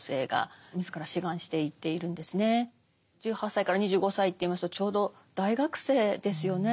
１８歳から２５歳といいますとちょうど大学生ですよね。